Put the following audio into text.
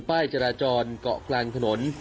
ป้ายจราจรเกาะกลางถนน